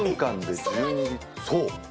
そう。